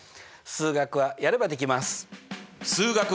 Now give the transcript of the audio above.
数学はやればできます！